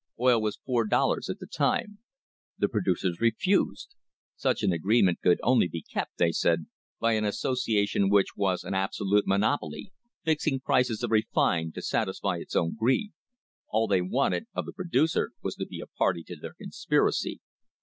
Oil was four dollars at the time. The pro ducers refused. Such an agreement could only be kept, they said, by an association which was an absolute monopoly, fixing prices of refined to satisfy its own greed. All they wanted of the pro ducer was to be a party to their conspiracy.